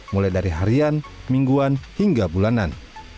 mulai dari harian mingguan hingga bulanan